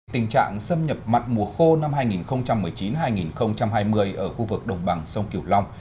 tình trạng xâm nhập mặn mùa khô năm hai nghìn một mươi chín hai nghìn hai mươi ở khu vực đồng bằng sông kiểu long